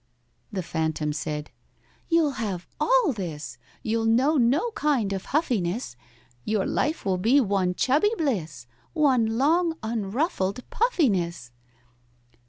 The phantom said, "You'll have all this, You'll know no kind of huffiness, Your life will be one chubby bliss, One long unruffled puffiness!"